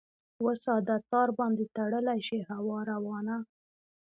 وساده ! تار باندې تړلی شي هوا روانه ؟